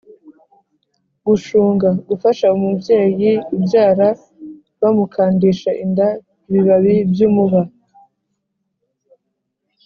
gushunga: gufasha umubyeyi ubyara bamukandisha inda ibibabi by’umuba,